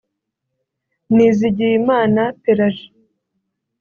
Nizigiyimana Pelagie